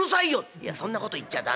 「いやそんなこと言っちゃ駄目だ」。